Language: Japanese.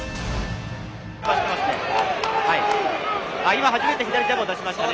今初めて左ジャブを出しましたね。